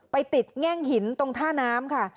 ไปติดแง่งหินตรงท่าน้ำค่ะ